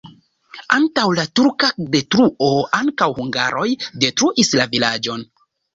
Antaŭ la turka detruo ankaŭ hungaroj detruis la vilaĝon.